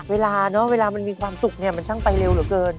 เวลาเนอะเวลามันมีความสุขเนี่ยมันช่างไปเร็วเหลือเกิน